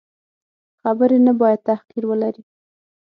خبرې نه باید تحقیر ولري.